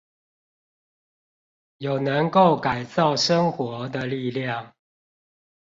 有能夠改造生活的力量